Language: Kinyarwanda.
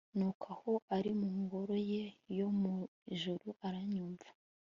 nuko aho ari mu ngoro ye yo mu ijuru arayumva